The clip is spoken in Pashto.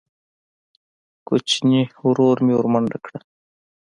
کوچیني ورور مې ورمنډه کړه.